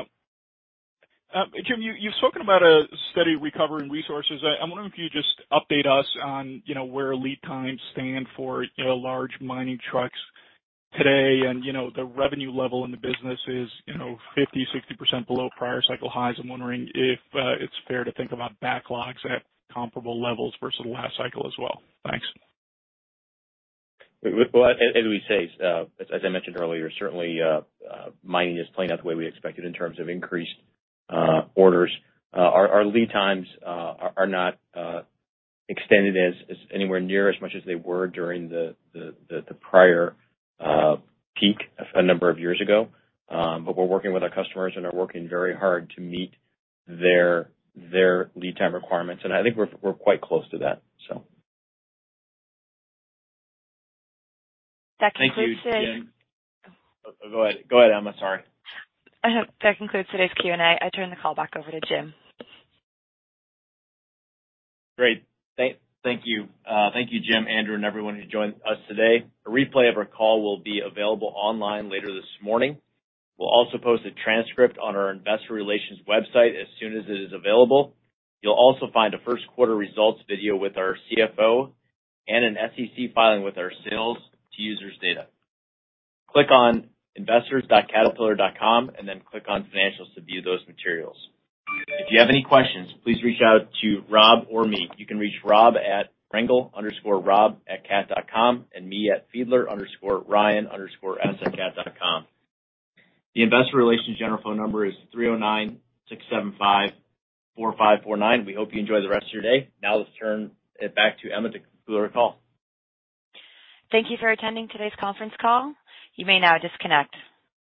Yep. Jim, you've spoken about a steady recovery in Resources. I wonder if you just update us on, you know, where lead times stand for, you know, large mining trucks today. You know, the revenue level in the business is, you know, 50-60% below prior cycle highs. I'm wondering if it's fair to think about backlogs at comparable levels versus the last cycle as well. Thanks. As we say, as I mentioned earlier, certainly, mining is playing out the way we expected in terms of increased orders. Our lead times are not extended anywhere near as much as they were during the prior peak a number of years ago. We're working with our customers and are working very hard to meet their lead time requirements, and I think we're quite close to that. That concludes today. Thank you again. Go ahead. Go ahead, Emma. Sorry. That concludes today's Q&A. I turn the call back over to Jim. Great. Thank you. Thank you, Jim, Andrew, and everyone who joined us today. A replay of our call will be available online later this morning. We'll also post a transcript on our investor relations website as soon as it is available. You'll also find a Q1 results video with our CFO and an SEC filing with our sales to users data. Click on investors.caterpillar.com and then click on Financials to view those materials. If you have any questions, please reach out to Rob or me. You can reach Rob at rengel_rob@cat.com and me at Fiedler_Ryan_S@cat.com. The investor relations general phone number is 309-675-4549. We hope you enjoy the rest of your day. Now let's turn it back to Emma to conclude our call. Thank you for attending today's conference call. You may now disconnect.